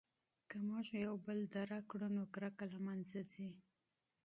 که موږ یو بل درک کړو نو کرکه له منځه ځي.